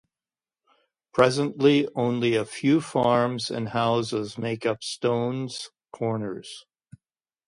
Presently, only a few farms and houses make up Stone's Corners.